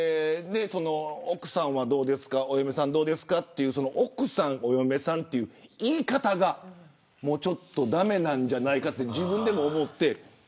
その奥さんはどうですかお嫁さんどうですかっていうその奥さんお嫁さんって言い方がちょっと駄目なんじゃないかって自分でも思って。